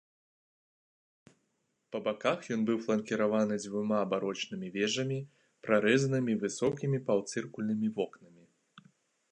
Па баках ён быў фланкіраваны дзвюма барочнымі вежамі, прарэзанымі высокімі паўцыркульнымі вокнамі.